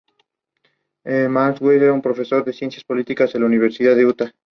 Estudió Artes Gráficas en la Escuela de Formación Profesional de Málaga.